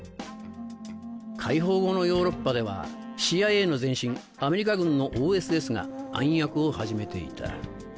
解放後のヨーロッパではＣＩＡの前身アメリカ軍のＯＳＳが暗躍を始めていた。